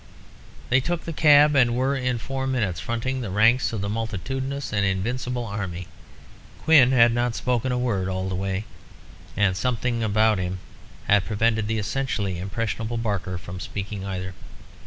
They took the cab, and were, in four minutes, fronting the ranks of the multitudinous and invincible army. Quin had not spoken a word all the way, and something about him had prevented the essentially impressionable Barker from speaking either.